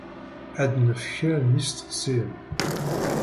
Ad d-nefk kra n yisteqsiyen.